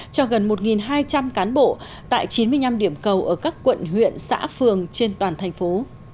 cho gần một hai trăm linh cán bộ tại chín mươi năm điểm cầu ở các quận huyện xã phường trên toàn thành phố